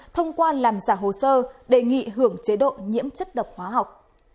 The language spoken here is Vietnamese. thông qua làm giả hồ sơ đề nghị hưởng chế độ nhiễm chất độc hóa học